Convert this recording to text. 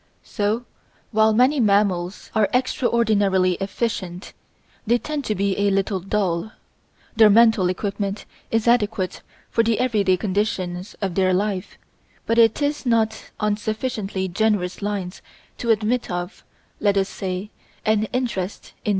So while many mammals are extraordinarily efficient, they tend to be a little dull. Their mental equipment is adequate for the everyday conditions of their life, but it is not on sufficiently generous lines to admit of, let us say, an interest in Nature or adventurous experiment.